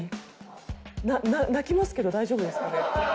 なな泣きますけど大丈夫ですかね？